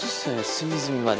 隅々まで。